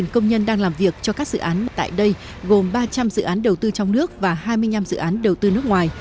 một mươi công nhân đang làm việc cho các dự án tại đây gồm ba trăm linh dự án đầu tư trong nước và hai mươi năm dự án đầu tư nước ngoài